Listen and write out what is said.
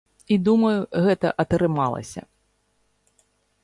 І думаю, гэта атрымалася.